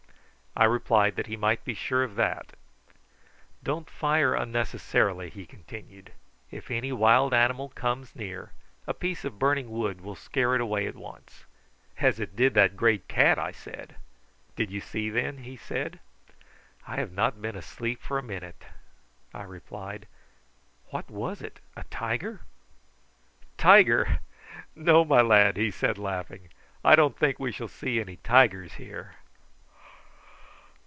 I replied that he might be sure of that. "Don't fire unnecessarily," he continued. "If any wild animal comes near, a piece of burning wood will scare it away at once." "As it did that great cat!" I said. "Did you see, then?" he said. "I have not been asleep for a single minute," I replied. "What was it a tiger?" "Tiger! No, my lad," he said, laughing; "I don't think we shall see any tigers here.